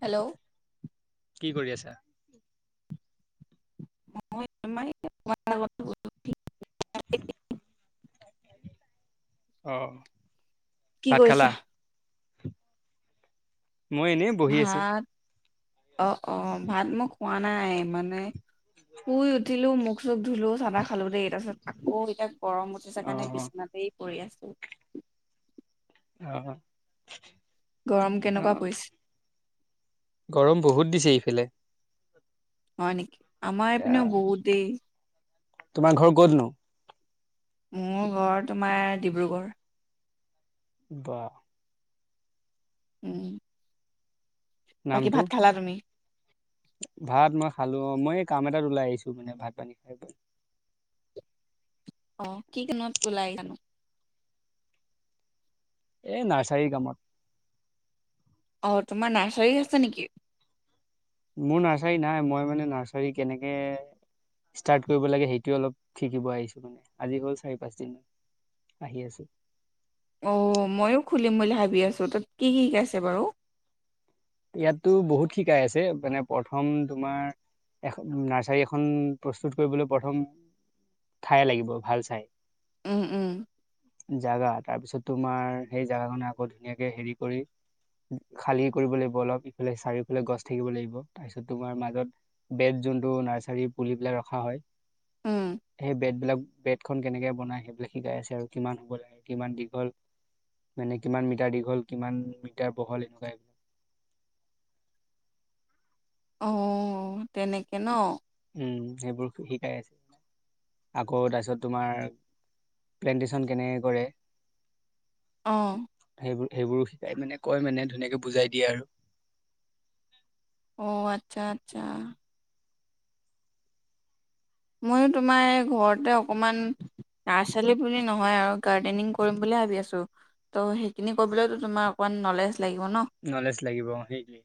Hello কি কৰি আছা। [unintelligible] [unintelligible] অ কি ভাত খালা? কৰিছা মই এনেই বহি আছো। ভাত অ অ ভাত মই খোৱা নাই মানে শুই উঠিলো মুখ চুখ ধুলো চাহ চাহ খালো দেই তাৰপিছত আকৌ এতিয়া গৰম উঠিছে কাৰণে অ'। বিছনাতেই পৰি আছো অ গৰম কেনেকুৱা অ', পৰিছে। গৰম বহুত দিছে ইফালে। হয় নেকি আমাৰ এই পিনেও বহুত দেই তোমাৰ ঘৰ ক'তনো মোৰ ঘৰ তোমাৰ ডিব্ৰুগড় বাহ উম বাকী নামটো? ভাত খালা তুমি ভাত মই খালো অ মই কাম এটাত ওলাই আহিছো মানে ভাত পানী খাই বৈ অ কি কামত ওলাই আহিলা নো এই নাৰ্চাৰী কামত অ তোমাৰ নাৰ্চাৰী আছে নেকি মোৰ নাৰ্চাৰী নাই মই মানে নাৰ্চাৰী কেনেকে ষ্টাৰ্ট কৰিব লাগে সেইটোৱে অলপ শিকিব আহিছো মানে আজি হ'ল চাৰি পাঁচ দিন আহি আছো অ ময়ো খুলিম বুলি ভাবি আছো তাত কি কি শিকাইছে বাৰু ইয়াতো বহুত শিকাই আছে মানে প্ৰথম তোমাৰ এ নাৰ্চাৰী এখন প্ৰস্তুত কৰিবলৈ প্ৰথম ঠাই লাগিব ভাল চাই উম উম জোগা তাৰ পিছত তোমাৰ সেই জাগাখনে আকৌ ধুনীয়াকে হেৰি কৰি খালী কৰিব লাগিব। বল ইফালে চাৰিওফালে গছ থাকিব লাগিব তাৰপিছত তোমাৰ মাজত বেড যোনটো নাৰ্চাৰী পুলিবিলাক ৰখা হয় উম সেই বেড এইবিলাক বেড খন কেনেকে বনাই সেইবিলাক শিকাই আছে আৰু কিমান হ'ব লাগে কিমান দীঘল মানে কিমান মিটাৰ দীঘল কিমান মিটাৰ বহল এনেকুৱা অ তেনেকে ন উম সেইবোৰ শিকাই আছে আকৌ তাৰপিছত তোমাৰ প্লেনটেশ্যন কেনেকে কৰে। অ সেই সেইবোৰো শিকাই মানে কয় মানে ধুনীয়াকে বুজাই দিয়ে আৰু অ আচ্ছা আচ্ছা ময়ো তোমাৰ এই ঘৰতে অকণমান নাৰ্চালি বুলি নহয় আৰু গাৰ্ডেনিং কৰিম বুলি ভাবি আছো ত' সেইখিনি কৰিবলৈতো তুমাৰ অকমান নলেজ লাগিব ন নলেজ লাগিব সেই কি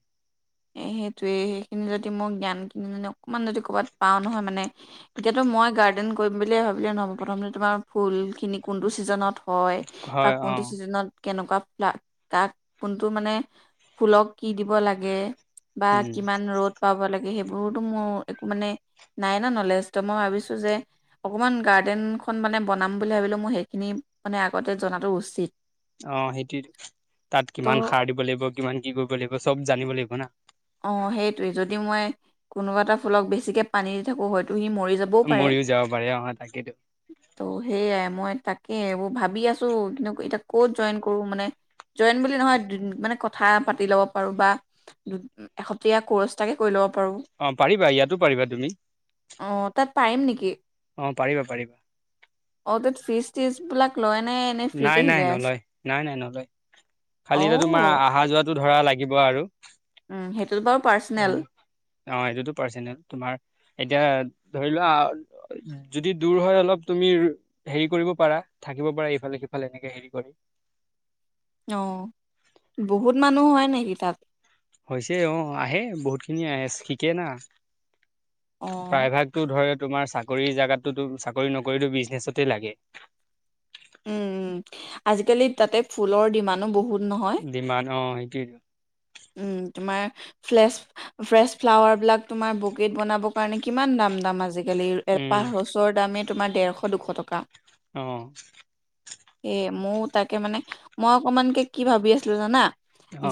এ সেইটোৱে সেইখিনি যদি মই জ্ঞান কিনি অকণমান যদি ক'ৰবাত পাওঁ নহয় মানে এতিয়াতো মই গাৰ্ডেন কৰিম ব বুলি ভাবিলে নহ'ব প্ৰথম তোমাৰ ফুল খিনি কোনটো ছিজনত হয় বা হয় অ কোনটো চিজনত কেনেকুৱা তাক কোনটো মানে ফুলক কি দিব লাগে [unintelligible] বা উম কিমান ৰ'দ পাব লাগে সেইবোৰতো মোৰ একো মানে নাই মই ভিছো যে অক গ্ন মানে বন বুলি ভাবিলো ম সেইখিনি মানে আগতে জনাটো উচিত অ সেইটো তাত কিমান ত' সাৰ দিব লাগিব কিমান কি কৰিব লাগিব চব জানিব লাগিব না অ সেইটোৱে যদি মই কোনোবা এটা ফুলক বেছিকে পানী দি থাকো হয়তো তুহি মৰি যাবও পাৰে মৰিও যাব পাৰে অ তাকেইতো ত' সোই মই তাকে এইবোৰ ভাবি আছো কিন্তু এতিয়া ক'ত জইন কৰো মানে জইন বুলি নহয় মানে কথা পাতি ল'ব পাৰো বা এহতীয়া ক'ৰ্চটাকে কৰি ল'ব পাৰো অ পাৰিবা ইয়াতো পাৰিবা তুমি অ তাত পাৰিম নেকি অ পাৰিবা পাৰিবা ফিচ টিজ বিলাক লয় [unintelligible] নাই ফ্ৰীকে নাই শিকাই আছে নলয় নাই নাই নলয় খালি অ এতিয়া তোমাৰ অহা যোৱাটো ধৰা লাগিব আৰু উ সেইটোতো বাৰু পাৰ্চনেল অ এইটোতো পাৰ্চনেল তোমাৰ এতিয়া ধৰি লোৱা যদি দূৰ হয় অলপ তুমি হেৰি কৰিব পাৰা থাকিব পাৰা ইফালে সিফালে এনেকে হেৰি কৰি অ বহুত মানুহ হয় নেকি তাত হৈছে অ আহে বহুত খিনি আহে শিকে না অ প্ৰায় ভাগতটো ধৰে তোমাৰ চাকৰি জোগাতো চাকৰি নকৰিতো বিজনেছতে লাগে উম উম আজিকালি তাতে ফুলৰ ডিমা বহুত নহয় দিমান অ সেইটোৱে দো উম [unintelligible] তোমাৰ ফ্ৰেছ ফ্ৰেছ ফ্লাৱাৰ বিলাক তোমাৰ বোকিত বনাবৰ কাৰণে কিমান দাম দাম আজি আজিকালি উম এপাহ ৰচৰ দামে তোমাৰ দেৰশ দুশ টকা অ এ মোৰ তাকে মানে মই অকমানকে কি ভাবি আছিলো জানা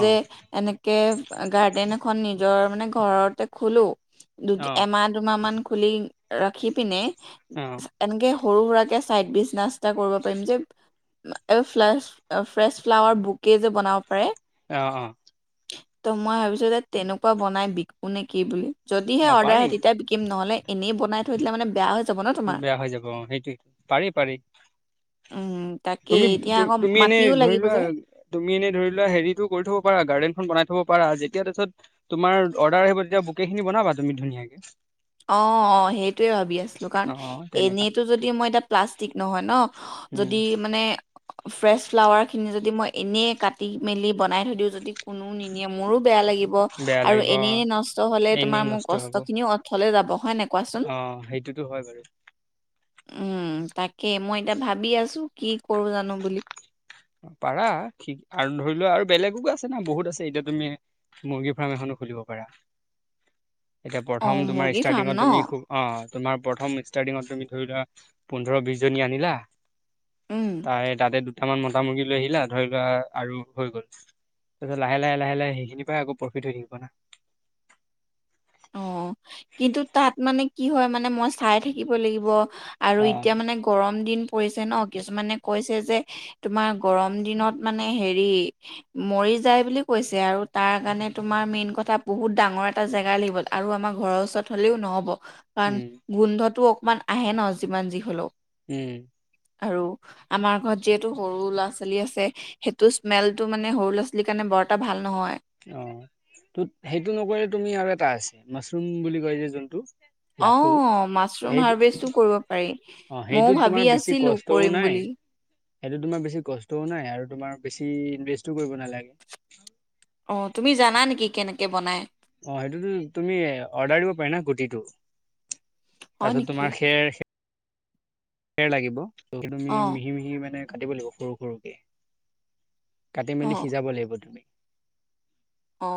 যে এনেকে গাৰ্ডেন এখন নিজৰ মানে ঘৰতে খোলো দু অ', এমাহ দুমাহ মান খুলি ৰাখি পিনে অ', এনেকে সৰু সুৰাকৈ ছাইড বিজনাছ চ কৰিব পাৰিম যে ফ্ ফ্ৰেছ ফ্লাৱাৰ বুকে যে বনাব পাৰে অ অ ত মই ভাবিছো ত তেনেকুৱা বনাই বিকো নে কি বুলি যদিহে অ', অৰ্ডাৰ পাৰি আহে তেতিয়া বিকিম নহ'লে এনেই বনাই থৈ দিলে মানে বেয়া হৈ যাব ন তোমাৰ সেইটো পাৰি পাৰি উম তাকে তুমি এতিয়া আকৌ তুমি এনে মাটিও ধৰি লাগিব লোৱা যে তুমি এনেই ধৰি লোৱা হেৰিটো কৰি থব পাৰা গাৰ্ডেনখন বনাই থব যেতিয়া তাৰপিছত অৰ্ডাৰ আহিব তেতি বুকে খিনি বনাবা তুমি ধুনীয়াকে অ অ সেইটোৱে ভাবি আছিলো কাৰণ অ', তেনেকা এনেইটো যদি মই এতিয়া প্লাতিক নহয় ন উম, যদি মানে ফ্ৰেছ ফ্লাৱাৰ খিনি যদি যদি মই এনেই কাটি মেলি বনাই থৈ দিওঁ যদি কোনো মোৰো বেয়া লাগিব বেয়া আৰু লাগিব এনেই অ', নষ্ট হলে তোমাৰ এনেই মোৰ কষ্ট খিনিও অথলে যাব হয় নে অঁ সেইটোতো হয় বাৰু। উম তাকেই মই এতিয়া ভাবি আছো কি কৰো জানো বুলি। পাৰা কি আৰু ধৰি লোৱা আৰু বেলেগকো আছে না বহুত আছে, এতিয়া তুমি মুৰ্গী ফাৰ্ম এখনত- খুলিব পাৰা। [unintelligible] [inaudible] এতিয়া প্ৰথম তোমাৰ মুৰ্গী ফাৰ্ম ষ্টাৰ্টিঙত ন তুমি খুব অঁ- তোমাৰ প্ৰথম ষ্টাৰ্টিঙত তুমি ধৰি লোৱা পোন্ধৰ বিশ জনী আনিলা- উম তাৰে তাতে দুটামান মতা মুৰ্গী লৈ আহিলা ধৰি লোৱা আৰু হৈ গ'ল। তাৰপিছত লাহে লাহে লাহে লাহে সেইখিনিৰ পৰাই আকৌ প্ৰফিট হৈ থাকিব না। [unintelligible] অঁ কিন্তু তাত মানে কি হয় মানে মই চাই থাকিব লাগিব- আৰু এতিয়া অ' মানে গৰম- দিন পৰিছে ন কিছুমানে কৈছে যে তোমাৰ গৰম দিনত মানে হেৰি- মৰি যায় বুলি কৈছে আৰু তাৰ কাৰণে তোমাৰ মেইন কথা বহুত ডাঙৰ এটা জেগা লাগিব। আৰু আমাৰ ঘৰৰ ওচৰত হ'লেও নহব কাৰণ উম গোন্ধটো অকমান আহে ন যিমান যি হলেও। উম। আৰু আমাৰ ঘৰত যিহেতু সৰু ল'ৰা ছোৱালী আছে, সেইটো স্মেলটো মানে সৰু ল'ৰা ছোৱালীৰ কাৰণে- বৰ এটা ভাল নহয়। অঁ ত সেইটো নকৰিলে তুমি আৰু এটা আছে মাছৰুম বুলি কয় যে যোনটো। অঁ লাফু মাছৰুম সেইটো হাৰ্ভেষ্টো কৰিব পাৰি। অ' মইয়ো সেইটোত তোমাৰ ভাবি বেছি আছিলো কষ্টও কৰিম নাই বুলি। [unintelligible] সেইটো তোমাৰ বেছি কষ্টও নাই আৰু তোমাৰ বেছি ইনভেষ্টো কৰিব নালাগে। অ তুমি জানা নেকি কেনেকে বনাই। অঁ সেইটোতো তুমি অৰ্ডাৰ দিব পাৰি না গুটিটো। হয় তাৰপিছত নেকি? তোমাৰ খেৰ- খেৰ লাগিব। তাৰপিছত তুমি অ', মিহি মিহি মানে কাটিব লাগিব সৰু সৰুকে। কাটি মেলি সিজাব লাগিব তুমি। অঁ।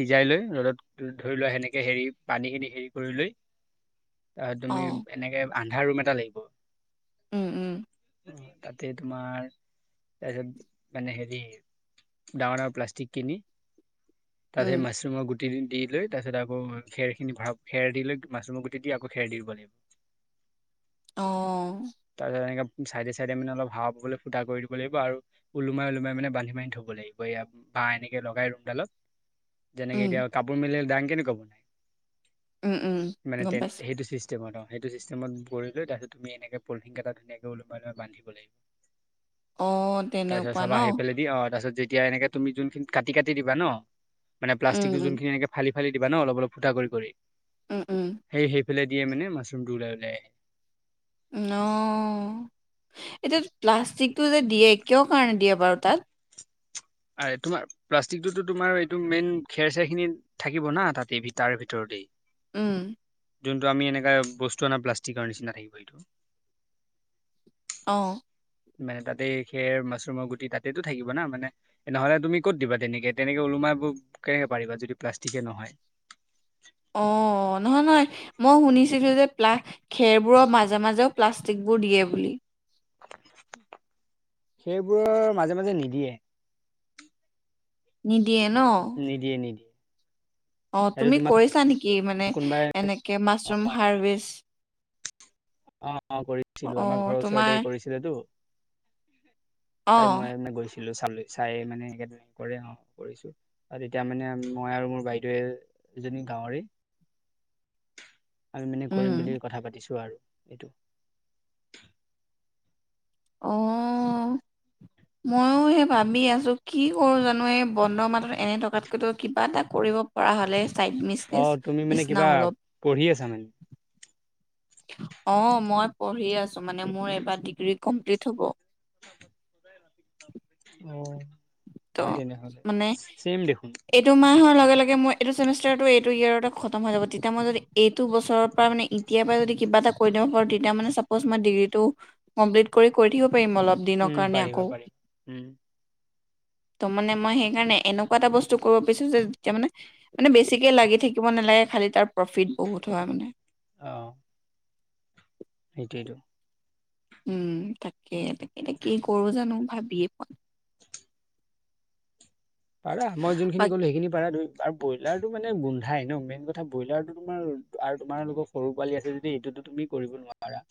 সিজাই লৈ ৰ'দত ধৰি লোৱা সেনেকে হেৰি পানীখিনি হেৰি কৰি লৈ- তুমি অ', এনেকে আন্ধা ৰুম এটা লাগিব। উম উম। উম তাতে তোমাৰ- তাৰ পিছত মানে হেৰি ডাঙৰ ডাঙৰ প্লাষ্টিক কিনি- তাত উম, সে মাছৰুমৰ গুটি দি - লৈ তাৰ পিছত আকৌ খেৰ খিনি ভাল খেৰ দি লৈ মাছৰুমৰ গুটি দি আকৌ খেৰ দি দিব লাগিব। [unintelligible] অঁ। তাৰপিছত এনেকে চাইডে চাইডে মানে অলপ হাৱা বাবলৈ ফুটা কৰি দিব লাগিব আৰু ওলমাই ওলোমাই মানে বান্ধি বান্ধি থ'ব লাগিব ইয়া- [unintelligible] বা এনেকে লগাই ৰুমডালত- [unintelligible] যেনেকে উম, এতিয়া কাপোৰ মেলে দাং কেনেকুৱা বনাই উম, উম, মানে গম তে পাইছো। সেইটো চি। চিষ্টেমত অ, সেইটো ছিষ্টেমত কৰিলে তাৰপিছত- তুমি এনেকে পলথিং কেইটা ধুনীয়াকে ওলমাই লৈ বান্ধিব লাগিব। অ', তাৰপিছত তেনেকুৱা ন? চাবা আহি পেলাই দি অঁ তাৰপিছত- যেতিয়া এনেকে তুমি যোনখিনি কাটি কাটি দিবা ন মানে উম, প্লাষ্টিক উম, যোনখিনি এনেকে ফালি- ফালি দিবা ন অলপ অলপ ফুটা কৰি কৰি উম, উম, সেই সেই পেলাই দিয়ে মানে মাছৰুমটো ওলাই ওলাই আহে। ন। এতিয়া প্লাষ্টিকটো যে দিয়ে কিয় কাৰণে দিয়ে বাৰু তাত? আৰু তোমাৰ প্লাষ্টিকটোতো তোমাৰ এইটো মেইন খেৰ চেৰ খিনি থাকিব না তা এই তাৰ ভিতৰতেই। উম। যোনটো আমি এনেকা বস্তু আনা প্লাষ্টিকৰ নিচিনা থাকিব সেইটো অ মানে তাতে খেৰ মাছৰুমৰ গুটি তাতেটো থাকিব না মানে নহলে তুমি ক'ত দিবা তেনেকে তেনেকে ওলো মাইবব কেনেকে পাৰিবা যদি প্লাষ্টিকে নহয় [unintelligible] সি কৈছে যে খেৰবোৰৰ মাজে মাজেও প্লাষ্টিক বোৰ দিয়ে বুলি সেইবোৰৰ মাজে মাজে নিদিয়ে নিদিয়ে ন নিদিয়ে নিদিয়ে অ সেইটো তুমি তোমাক কৰিছা নেকি মানে কোনোবাই এনেকে মাছৰুম হাৰ্ভিচ অ অ কৰিছিলোঁ অ আমাৰ ঘৰৰ তোমাৰ ওচৰতে কৰিছিলেতো অ তাতে মই মানে গৈছোঁ ছিলো চাল চাই মানে এনেকে কৰে অ কৰিছো আৰু তেতিয়া মানে মই আৰু মোৰ বাইদেউৱে [unintelligible] এজনী গাঁৱৰে [inaudible] আমি মানে উম কৰিম বুলি কথা পাতিছো আৰু এইটো অহ ময়ো সেই ভাবি আছো কি কৰো জানো এই বন্ধ মাহত এনে থকাতকৈতো কিবা এটা কৰিব [unintelligible] পৰা হ'লে ছাইড মিচ অ তুমি মানে নিচিনা কিবা অলপ পঢ়ি আছা মানে অ মই পঢ়ি আছো মানে মোৰ এইবাৰ ডিগ্ৰী কমপ্লিট হ'ব অ ত ভালে দেছোন মানে চেম দেখোন এইটো মাহৰ লগে লগে মই এইটো চেমিষ্টাৰটো এইটো ইয়াতে খতম হৈ যাব তেতিয়া মই যদি এইটো বছৰৰ পৰা মানে এতিয়াৰ পৰা যদি কিবা এটা কৰিদিব পাৰো তেতিয়া মানে চাপৰচ মই ডিগ্ৰীটো কমপ্লিট কৰি থাকিব [unintelligible] পাৰিম অলপ দিনৰ উম কাৰণে পাৰিবা আকৌ পাৰিবা উম ত মানে মই সেইকাৰণে এনেকুৱা এটা বস্তু কৰিব বিছাৰিছো যেতিয়া মানে মানে বেছিকে লাগি থাকিব নালাগে খালি তাৰ প্ৰফিট বহুত হয় মানে অহ সেইটোৱেইটো উম তাকে তাকে কি কৰো জানো ভাবিয়ে পোৱা নাই [inaudible] পাৰা মই যোনখিনি বাক ক'লো সেইখিনি পাৰা ধ আৰু ব্ৰইলাৰ মানে গোন্ধাই ন মেইন কথা ব্ৰইলাৰতো তোমাৰ আৰু তোমাৰ লগৰ সৰু পোৱালি আছে যদি এইটোতো তুমি কৰিব নোৱাৰা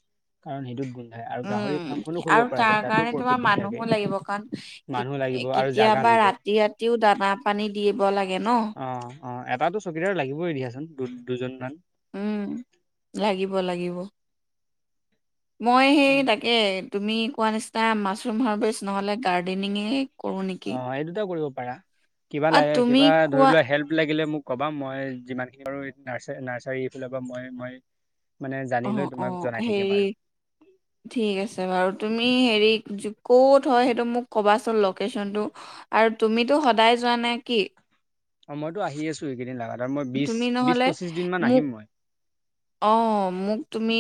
কাৰণ সেইটো গু উম আৰু তাৰ কাৰণে তোমাৰ প্ৰফিট থাকে মানুহো লাগিব কাৰণ মানুহ লাগিব আৰু জাগা কেতিয়াবা লাগিব ৰাতি ৰাতিও দানা পানী দিব লাগে ন অ অ এটাটো চকীদাৰ লাগিবই দিয়াচোন দু দুজনমান। উম লাগিব লাগিব মই সেই তাকে তুমি কোৱা নিচিনা মাছৰুম হাৰ বেষ্ট নহ'লে গাৰ্ডেনিঙে কৰো অ নেকি এই দুটা কৰিব পাৰা কিবা লা আৰু তুমি কোৱা ধৰিলোৱা সেলপ লাগিলে মোক [unintelligible] ক'বা মই যিমানখিনি পাৰো নাৰ নাৰ্চাৰীফাল পৰা মই মই মানে জানি অঁ লৈ অঁ তোমাক জনাই থাকিম হেৰি আৰু ঠিক আছে বাৰু তুমি হেৰি ক'ত হয় সেইটো মোক ক'বাচোন লকেশ্যনটো আ [unintelligible] আৰু তুমিতো সদায় যোৱা নে কি অ মইতো আহি আছো এইকেইদিন লগাগাত আৰু মই বিশ তুমি বিশ পঁচিশ দিন মান আহিম মই অ মোক তুমি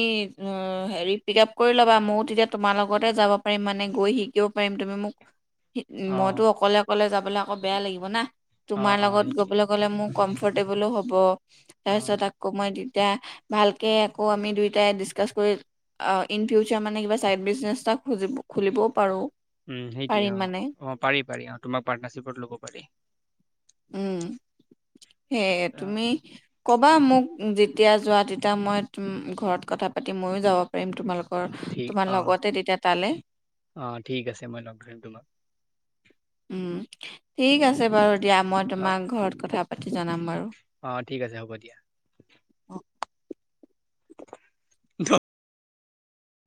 হেৰি পিক আপ কৰি ল'বা ময়ো তেতিয়া তোমাৰ লগতে যাব পাৰিম মানে গৈ শিকিব পাৰিম তুমি মোক অ', মইতো অকলে অকলে যাবলৈ আকৌ বেয়া লাগিব না তোমাৰ অ', অ', লগত সেইটোৱে গবলৈ গলে মোক কম ফৰ্টেবলো হ'ব তাৰপিছত অ', আকৌ মই [unintelligible] এতিয়া ভালকে আকৌ আমি দুয়োটাই ডিচকাচ কৰি ইন ফিউচাৰ মানে কিবা ছাইড বিজনেছ এটা খুজিব খুলিবও পাৰোঁ [unintelligible] উ সেইটোৱে অ অ পাৰি পাৰি অ তোমাৰ পাৰ্টনাৰশ্বিপত লব পাৰি। উম সে অ', তুমি ক'বা মোক যেতিয়া যোৱা তেতিয়া মই ঘৰত কথা পাতি ময়ো যাব পাৰিম তোমালোকৰ ঠিক তোমাৰ অ', লগতে তেতিয়া তালে অ', ঠিক আছে মই লগ ধৰিম তোমাক উম ঠিক আছে আছে বাৰু দিয়া মই অ', তোমাক ঘৰত কথা পাতি জনাম বাৰু অ', ঠিক আছে হ'ব দিয়া। উ ধ